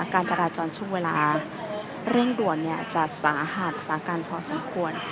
การจราจรช่วงเวลาเร่งด่วนจะสาหัสสากันพอสมควร